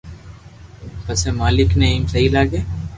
پسي مالڪ ني ايم سھي لاگي